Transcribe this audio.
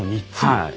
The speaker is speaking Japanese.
はい。